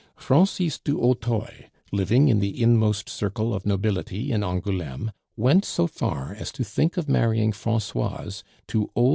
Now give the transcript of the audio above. Francis du Hautoy, living in the inmost circle of nobility in Angouleme, went so far as to think of marrying Francoise to old M.